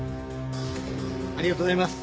ありがとうございます。